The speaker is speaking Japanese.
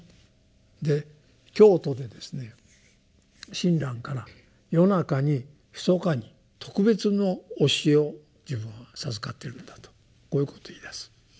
で京都でですね親鸞から夜中にひそかに特別の教えを自分は授かっているんだとこういうことを言いだす。